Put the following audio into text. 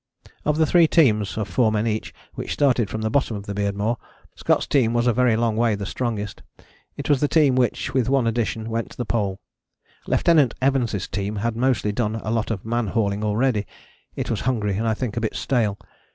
Of the three teams of four men each which started from the bottom of the Beardmore, Scott's team was a very long way the strongest: it was the team which, with one addition, went to the Pole. Lieutenant Evans' team had mostly done a lot of man hauling already: it was hungry and I think a bit stale.